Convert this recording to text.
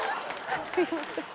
すいません。